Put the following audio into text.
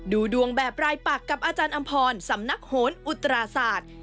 ดูดวงแบบรายปักกับอาจารย์อำพรสำนักโหนอุตราศาสตร์